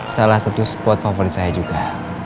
salah satu spot favorit saya juga